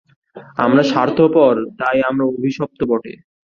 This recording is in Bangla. আমরা স্বার্থপর, তাই আমরা অভিশপ্ত বটে।